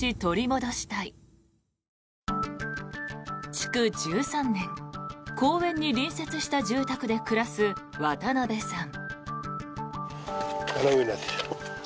築１３年、公園に隣接した住宅で暮らす渡辺さん。